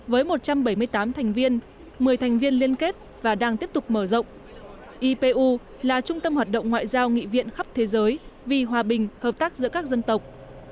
với một trăm bảy mươi tám thành viên một mươi thành viên liên kết và đang tiếp tục mở rộng ipu là trung tâm hoạt động ngoại giao nghị viện khắp thế giới vì hòa bình hợp tác giữa các dân tộc